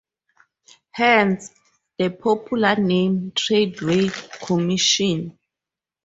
Hence, the popular name "Treadway Commission".